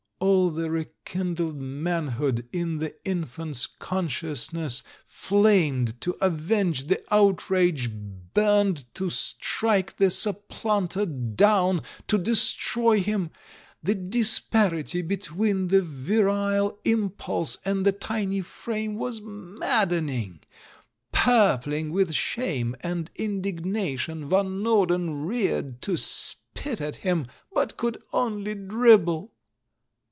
All the rekindled manliood in the infant's consciousness flamed to avenge the outrage, burned to strike the supplanter down, to destroy him. The disparity between the virile impulse and the tiny frame was maddening. Purpling with shame and indignation, Van Norden reared to spit at him, but could only dribble.